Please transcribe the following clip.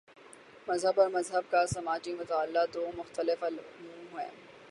مذہب اور مذہب کا سماجی مطالعہ دو مختلف علوم ہیں۔